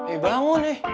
eh bangun eh